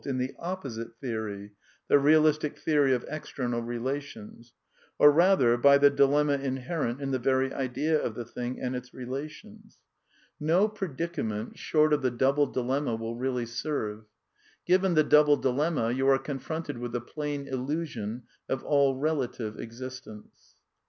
in the opposite theory, the realistic theory of external rela 1 tions ; or rather, by the dilemma inherent in the very idea I of the thing and its relations. No predicament, short of j THE NEW KEALISM 205 the double dilemma, will really serve. Given the double dilemma, you are confronted with the plain illusion of all relative existence.